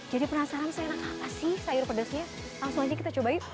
jadi penasaran seenak apa sih sayur pedasnya langsung aja kita cobain